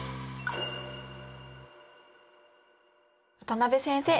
渡辺先生。